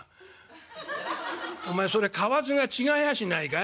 「お前それかわずが違やしないかい？